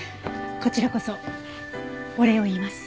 こちらこそお礼を言います。